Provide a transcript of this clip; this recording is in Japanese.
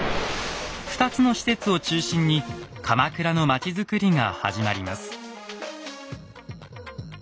２つの施設を中心に鎌倉の町づくりが始まります。